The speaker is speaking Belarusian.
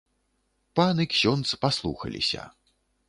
Пан і ксёндз паслухаліся.